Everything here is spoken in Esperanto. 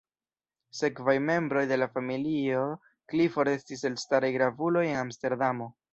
Sekvaj membroj de la familio Clifford estis elstaraj gravuloj en Amsterdamo.